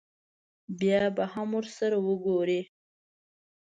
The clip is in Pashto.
بیا به هم ورسره وګوري.